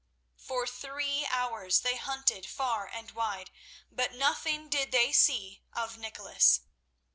For three hours they hunted far and wide, but nothing did they see of Nicholas.